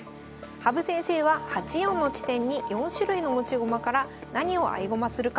羽生先生は８四の地点に４種類の持ち駒から何を合駒するか。